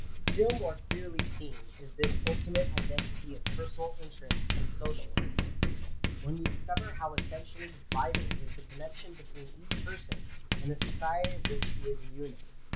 Still more clearly seen is this ultimate identity of personal interests and social interests, when we discover how essentially vital is the connection between each person and the society of which he is a unit.